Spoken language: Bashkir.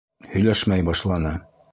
— Һөйләшмәй башланы.